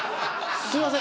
すいません。